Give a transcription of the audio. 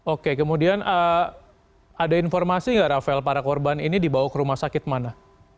oke kemudian ada informasi nggak rafael para korban ini dibawa ke rumah sakit mana